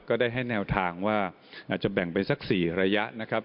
ก็ได้ให้แนวทางว่าอาจจะแบ่งไปสัก๔ระยะนะครับ